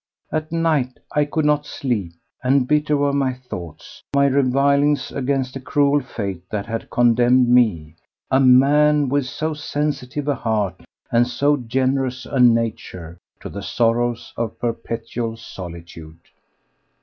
At night I could not sleep, and bitter were my thoughts, my revilings against a cruel fate that had condemned me—a man with so sensitive a heart and so generous a nature—to the sorrows of perpetual solitude.